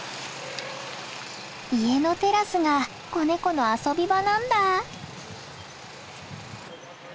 家のテラスが子ネコの遊び場なんだ。